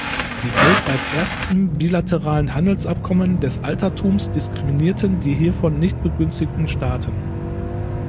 Die weltweit ersten bilateralen Handelsabkommen des Altertums diskriminierten die hiervon nicht begünstigen Staaten.